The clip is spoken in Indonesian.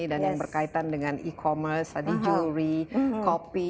dan yang berkaitan dengan e commerce tadi jewelry kopi